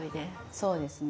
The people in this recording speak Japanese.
そうですね。